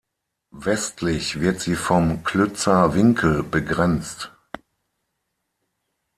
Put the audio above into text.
Westlich wird sie vom Klützer Winkel begrenzt.